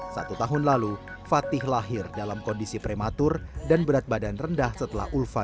satu tahun lalu fatih lahir dalam kondisi prematur dan berat badan rendah setelah ulfa